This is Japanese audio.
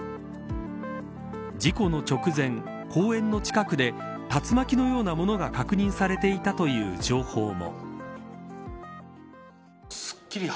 事故の直前、公園の近くで竜巻のようなものが確認されていたという情報も。